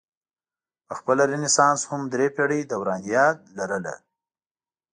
پخپله رنسانس هم درې پیړۍ دورانیه لرله.